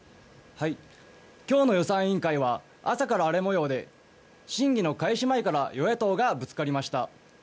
今日の予算委員会は朝から荒れ模様で審議の開始前から与野党がぶつかりました。